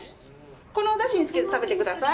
このおだしにつけて食べてください。